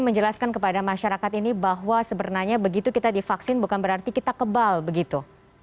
menjelaskan kepada masyarakat ini bahwa sebenarnya begitu kita divaksin bukan berarti kita kebal begitu